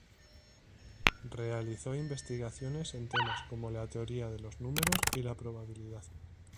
Realizó investigaciones en temas como la teoría de los números y la probabilidad.